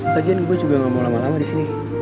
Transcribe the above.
lagian gue juga gak mau lama lama disini